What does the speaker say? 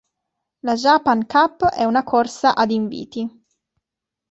La Japan Cup è una corsa ad inviti.